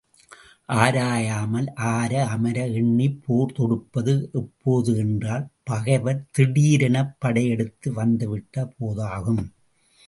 ஆராயாமல் ஆர அமர எண்ணிப் போர் தொடுப்பது எப்போது என்றால், பகைவர் திடீரெனப் படையெடுத்து வந்துவிட்ட போதாகும்.